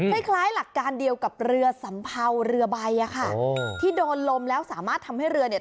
คล้ายหลักการเดียวกับเรือสัมเภาเรือใบอ่ะค่ะโอ้ที่โดนลมแล้วสามารถทำให้เรือเนี่ย